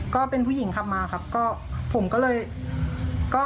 ก็เป็นผู้หญิงขับมาเพราะคนเดียวครับ